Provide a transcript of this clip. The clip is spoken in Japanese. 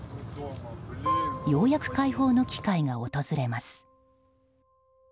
ようやく解放の機会が訪れます。